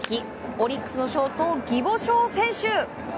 オリックスのショート宜保翔選手。